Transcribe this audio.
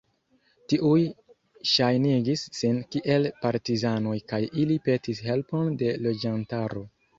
Tiuj ŝajnigis sin kiel partizanoj kaj ili petis helpon de loĝantaro.